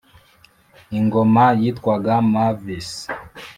ingoma yitwaga mavis